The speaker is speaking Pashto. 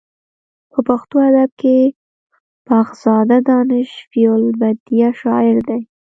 په پښتو ادب کې بخزاده دانش فې البدیه شاعر دی.